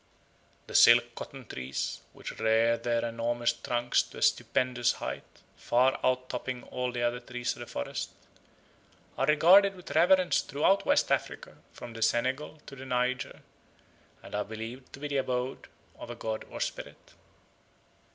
The silk cotton trees, which rear their enormous trunks to a stupendous height, far out topping all the other trees of the forest, are regarded with reverence throughout West Africa, from the Senegal to the Niger, and are believed to be the abode of a god or spirit.